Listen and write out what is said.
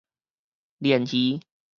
鰱魚